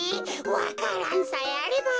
わか蘭さえあれば。